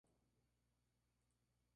Dinamarca permite la libertad de cultos.